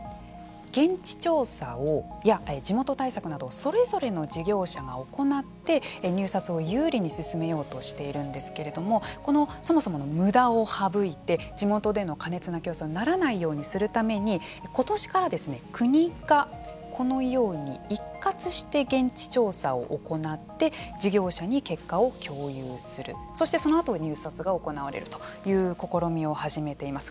現地調査や地元対策などそれぞれの事業者が行って入札を有利に進めようとしているんですけれどもそもそも無駄を省いて地元での加熱な競争にならないようにするために今年から、国がこのように、一括して現地調査を行って事業者に結果を共有するそしてそのあとで入札が行われるという試みを始めています。